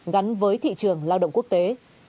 gắn với thị trường lao động quốc tế